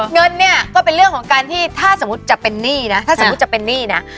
เงินเนี่ยก็เป็นเรื่องของการที่ถ้าสมมุติจะเป็นหนี้นะ